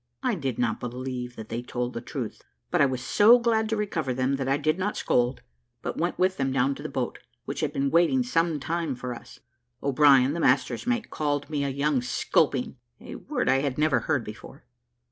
I did not believe that they told the truth, but I was so glad to recover them, that I did not scold, but went with them down to the boat, which had been waiting some time for us. O'Brien, the master's mate, called me a young sculping, a word I had never heard before.